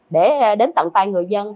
để đến tận tay người dân